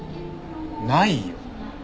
ないよ。